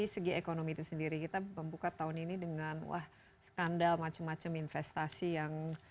segi ekonomi itu sendiri kita membuka tahun ini dengan wah skandal macam macam investasi yang